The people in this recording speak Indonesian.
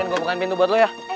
ren gua bukain pintu buat lo ya